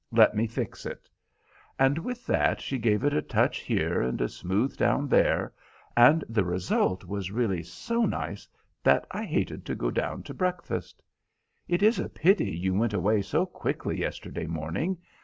Let me fix it,' and with that she gave it a touch here and a smooth down there, and the result was really so nice that I hated to go down to breakfast. It is a pity you went away so quickly yesterday morning.